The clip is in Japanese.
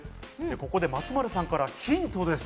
ここで松丸さんからヒントです。